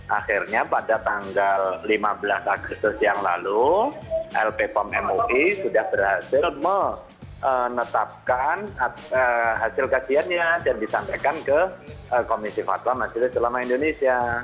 akhirnya pada tanggal lima belas agustus yang lalu lp pom mui sudah berhasil menetapkan hasil kajiannya dan disampaikan ke komisi fatwa majelis ulama indonesia